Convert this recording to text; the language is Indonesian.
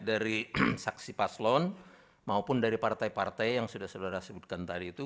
dari saksi paslon maupun dari partai partai yang sudah saudara sebutkan tadi itu